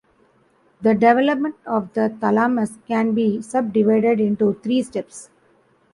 The development of the thalamus can be subdivided into three steps.